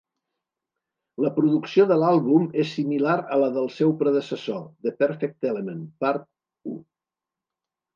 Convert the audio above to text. La producció de l'àlbum és similar a la del seu predecessor, "The Perfect Element, part I".